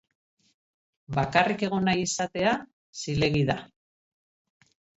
Bakarrik egon nahi izatea zilegi da.